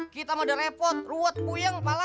kita mah udah repot ruwet kuyeng kepala